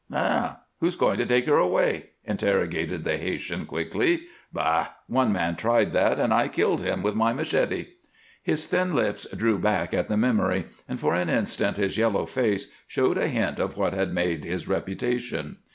"Eh? Who's going to take her away?" interrogated the Haytian, quickly. "Bah! One man tried that, and I killed him with my machete." His thin lips drew back at the memory, and for an instant his yellow face showed a hint of what had made his reputation.